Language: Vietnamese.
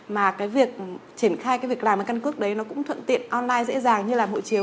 mà việc triển khai việc làm căn cước đấy cũng thuận tiện online dễ dàng như làm hộ chiếu